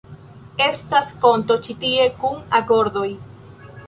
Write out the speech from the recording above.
Estas konto ĉi tie kun agordoj